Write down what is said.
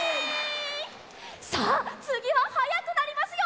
さあつぎははやくなりますよ！